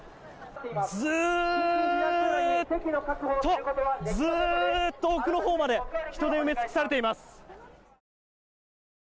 ずっと、ずっと奥のほうまで人で埋め尽くされています。